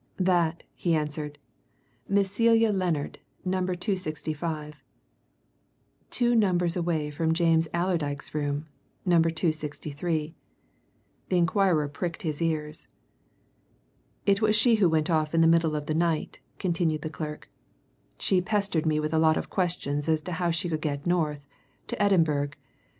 "That," he answered. "Miss Celia Lennard Number 265." Two numbers away from James Allerdyke's room Number 263! The inquirer pricked his ears. "It was she who went off in the middle of the night," continued the clerk. "She pestered me with a lot of questions as to how she could get North to Edinburgh.